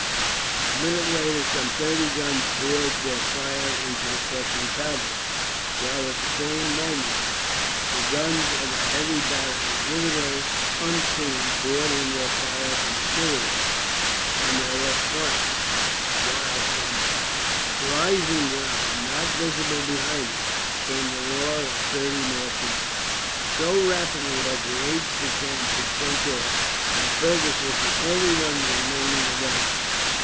A minute later some thirty guns poured their fire into the Prussian cavalry; while at the same moment the guns of a heavy battery, hitherto unseen, poured in their fire from Sulowitz on their left flank; while from rising ground, not visible behind it, came the roar of thirty more pieces. So rapidly had the aides de camp been sent off, that Fergus was the only one remaining available.